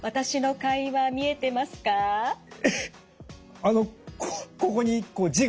あのここに字が。